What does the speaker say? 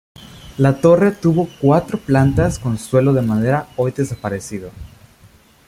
La torre tuvo cuatro plantas con suelo de madera hoy desaparecido.